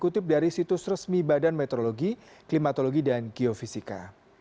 deden rahadian tasik malaya